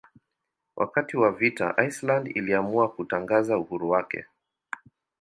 Wakati wa vita Iceland iliamua kutangaza uhuru wake.